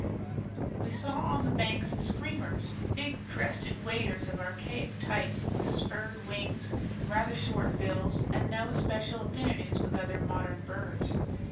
We saw on the banks screamers big, crested waders of archaic type, with spurred wings, rather short bills, and no especial affinities with other modern birds.